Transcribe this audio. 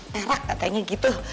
merak katanya gitu